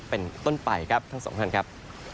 เป็นต้นไปครับทั้งสองท่านครับ